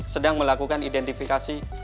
sedang melakukan identifikasi